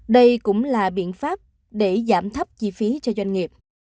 đây cũng là biện pháp để giảm thấp chi phí cho doanh nghiệp